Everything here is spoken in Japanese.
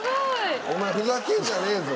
お前ふざけんじゃねえぞ。